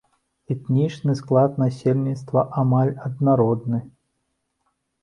Этнічны склад насельніцтва амаль аднародны.